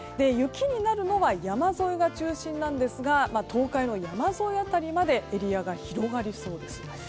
雪になるのは山沿いが中心なんですが東海の山沿い辺りまでエリアが広がりそうです。